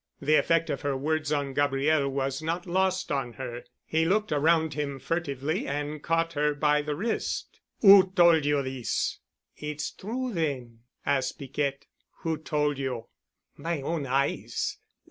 The effect of her words on Gabriel was not lost on her. He looked around him furtively and caught her by the wrist. "Who told you this?" "It's true, then?" asked Piquette. "Who told you?" "My own eyes.